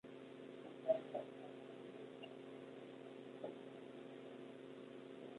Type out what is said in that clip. Tras resultar herido, trabajó como artista en hospitales y cuarteles.